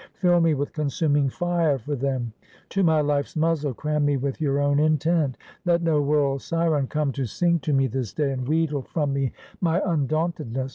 Fill me with consuming fire for them; to my life's muzzle, cram me with your own intent. Let no world syren come to sing to me this day, and wheedle from me my undauntedness.